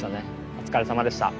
お疲れさまでした。